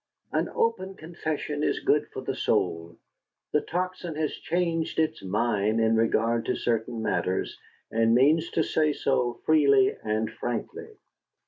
"'An open confession is good for the soul. The Tocsin has changed its mind in regard to certain matters, and means to say so freely and frankly.